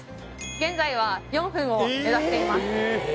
現在は４分を目指しています